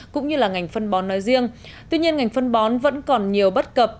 cũng như là ngành phân bón nói riêng tuy nhiên ngành phân bón vẫn còn nhiều bất cập